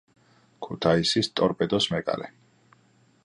ქუთაისის „ტორპედოს“ მეკარე.